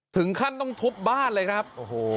ถึงขั้นต้องทุบบ้านเลยครับโอ้โห